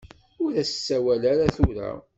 Ur as-ssawal ara tura.